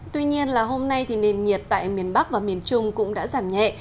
tuy nhiên là hôm nay thì nền nhiệt tại miền bắc và miền trung cũng đã giảm nhẹ